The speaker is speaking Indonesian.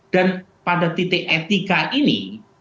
dan pada titik etika ini